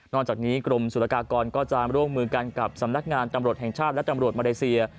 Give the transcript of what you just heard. จากนี้กรมสุรกากรก็จะร่วมมือกันกับสำนักงานตำรวจแห่งชาติและตำรวจมาเลเซีย